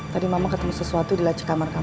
tadi mama ketemu sesuatu di laci kamar kamu